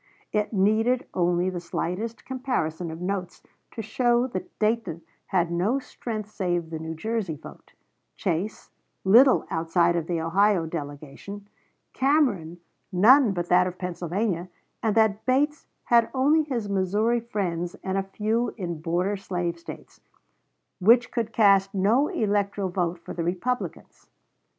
It needed only the slightest comparison of notes to show that Dayton had no strength save the New Jersey vote; Chase little outside of the Ohio delegation; Cameron none but that of Pennsylvania, and that Bates had only his Missouri friends and a few in border slave States, which could cast no electoral vote for the Republicans.